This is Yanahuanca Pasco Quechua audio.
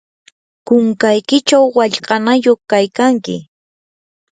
kunkaykichaw wallqanayuq kaykanki.